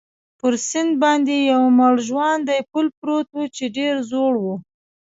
پر سیند باندې یو مړ ژواندی پل پروت وو، چې ډېر زوړ وو.